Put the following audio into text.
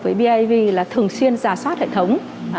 với bidv là thường xuyên giả soát hệ thống